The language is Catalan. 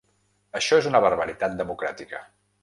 Això és una barbaritat democràtica.